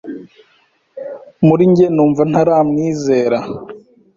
Muri jye numva ntaramwizera